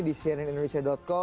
di cnn indonesia tv